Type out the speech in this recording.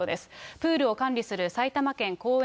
プールを管理する埼玉県公園